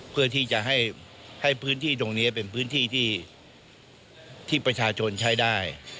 เพื่อที่จะให้พื้นที่ตรงนี้เป็นพื้นที่ที่ประชาชนใช้ได้